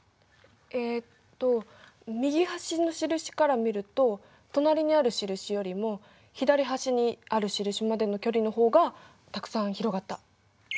えっと右端の印から見ると隣にある印よりも左端にある印までの距離の方がたくさん広がった。